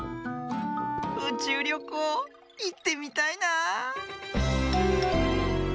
うちゅうりょこういってみたいな。